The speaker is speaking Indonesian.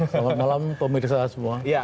selamat malam pemirsa semua